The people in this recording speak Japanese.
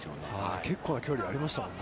◆結構な距離ありましたもんね。